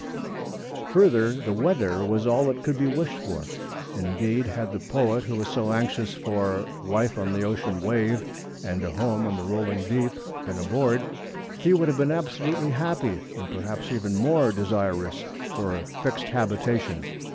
Further, the weather was all that could be wished for. Indeed, had the poet who was so anxious for "life on the ocean wave and a home on the rolling deep" been aboard, he would have been absolutely happy, and perhaps even more desirous for a fixed habitation.